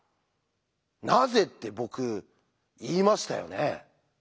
なぜって僕言いましたよね。